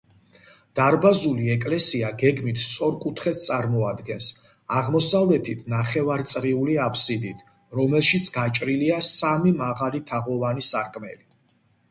დარბაზული ეკლესია გეგმით სწორკუთხედს წარმოადგენს, აღმოსავლეთით ნახევარწრიული აფსიდით, რომელშიც გაჭრილია სამი მაღალი თაღოვანი სარკმელი.